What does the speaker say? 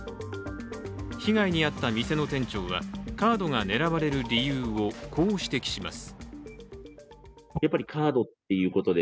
被害に遭った店の店長はカードが狙われる理由をこう指摘します。